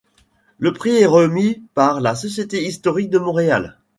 Le prix est remis par la Société historique de Montréal.